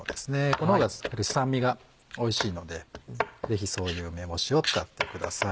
この方が酸味がおいしいのでぜひそういう梅干しを使ってください。